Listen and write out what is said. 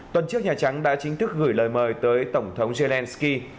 tuần trước nhà trắng đã chính thức gửi lời mời tới tổng thống zelensky